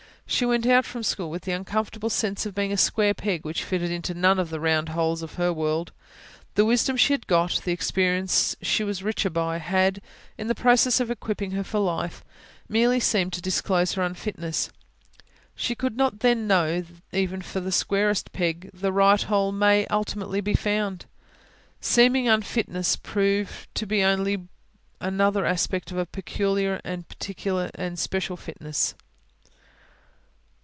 She went out from school with the uncomfortable sense of being a square peg, which fitted into none of the round holes of her world; the wisdom she had got, the experience she was richer by, had, in the process of equipping her for life, merely seemed to disclose her unfitness. She could not then know that, even for the squarest peg, the right hole may ultimately be found; seeming unfitness prove to be only another aspect of a peculiar and special fitness.